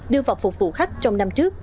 đưa vào phục vụ khách trong năm trước